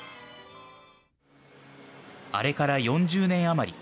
あれから４０年余り。